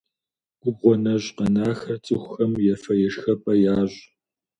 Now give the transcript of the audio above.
Губгъуэ нэщӏ къэнахэр цӏыхухэм ефэ-ешхапӏэ ящӏ.